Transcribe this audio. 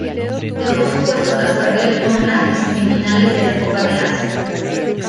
Dejó su puesto tras perder contra en semifinales de la Copa de Asia.